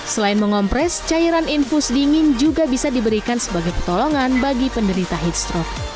selain mengompres cairan infus dingin juga bisa diberikan sebagai pertolongan bagi penderita heat stroke